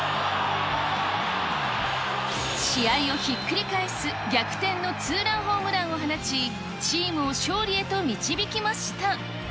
試合をひっくり返す逆転のツーランホームランを放ち、チームを勝利へと導きました。